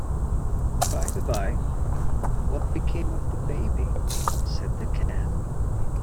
‘By-the-bye, what became of the baby?’ said the Cat.